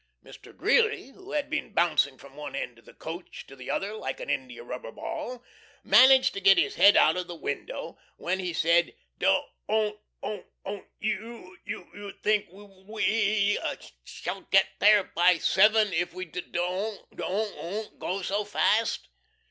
Mr. Greeley, who had been bouncing from one end of the coach to the other like an india rubber ball, managed to get his head out of the window, when he said: "Do on't on't on't you u u think we e e e shall get there by seven if we do on't on't go so fast?"